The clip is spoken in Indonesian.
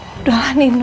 udah lah nino